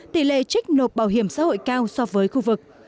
tỷ lệ trích nộp bảo hiểm xã hội cao so với khu vực